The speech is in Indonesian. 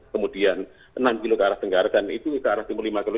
kemudian enam kilometer ke arah tenggara dan itu ke arah lima kilometer